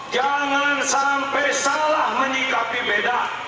jangan sampai salah menyikapi beda